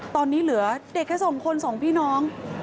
ตอนนี้เหลือเด็กแค่สองคนสองพี่น้อง